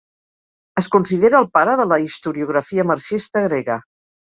Es considera el pare de la historiografia marxista grega.